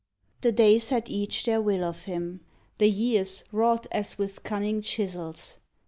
The days had each their will of him. The years Wrought as with cunning chisels.